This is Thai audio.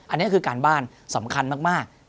อันนี้คือการบ้านสำคัญมาก